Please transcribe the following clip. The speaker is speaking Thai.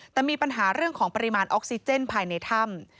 แต่มีปัญหาเรื่องของปริมาณออกซิเจนภายในถ้ำ